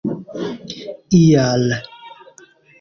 ial